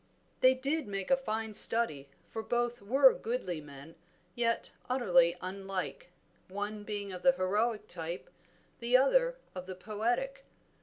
They did make a fine study, for both were goodly men yet utterly unlike, one being of the heroic type, the other of the poetic.